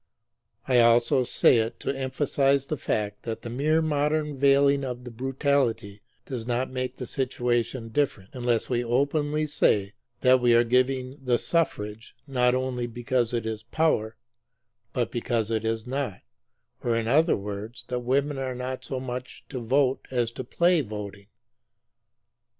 I also say it to emphasize the fact that the mere modern veiling of the brutality does not make the situation different, unless we openly say that we are giving the suffrage, not only because it is power but because it is not, or in other words, that women are not so much to vote as to play voting.